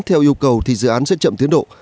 theo yêu cầu thì dự án sẽ chậm tiến độ